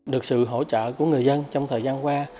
được sự hỗ trợ của người dân trong thời gian qua